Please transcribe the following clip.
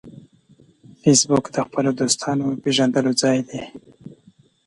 فېسبوک د خپلو دوستانو پېژندلو ځای دی